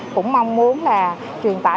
cũng mong muốn truyền tải